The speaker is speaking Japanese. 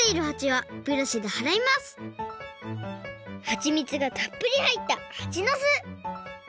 はちみつがたっぷりはいったはちの巣！